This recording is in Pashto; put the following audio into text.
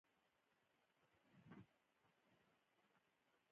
که ته ډیرې خبرې وکړې نو تاوان به وکړې